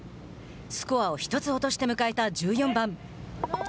スコアを１つ落として迎えた１４番。